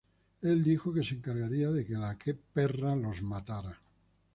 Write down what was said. Él dijo que se encargaría de que la "perra" los matara.